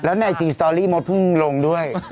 แล้วในจริงสตอร์รี่หมดเพิ่งลงด้วย